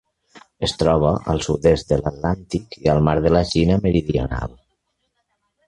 Es troba al sud-est de l'Atlàntic i al Mar de la Xina Meridional.